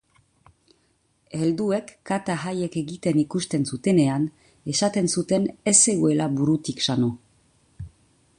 Helduek kata haiek egiten ikusten zutenean, esaten zuten ez zegoela burutik sano.